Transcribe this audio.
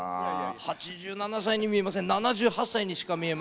８７歳には見えません。